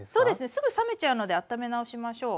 すぐ冷めちゃうのであっため直しましょう。